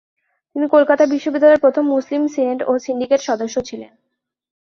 তিনি কলকাতা বিশ্ববিদ্যালয়ের প্রথম মুসলিম সিনেট ও সিন্ডিকেট সদস্য ছিলেন।